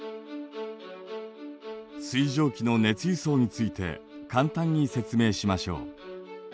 水蒸気の熱輸送について簡単に説明しましょう。